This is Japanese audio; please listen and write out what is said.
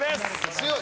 強い！